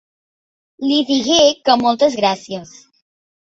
Li digué que moltes gràcies.